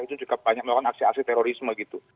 itu juga banyak melakukan aksi aksi terorisme gitu